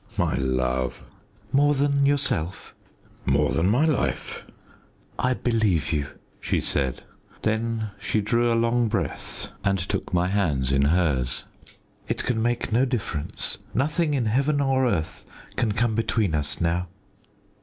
"My love!" "More than yourself?" "More than my life!" "I believe you," she said. Then she drew a long breath, and took my hands in hers. "It can make no difference. Nothing in heaven or earth can come between us now."